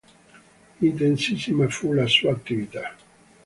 Intensissima fu la sua attività.